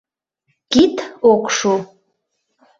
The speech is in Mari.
Кид ок шу.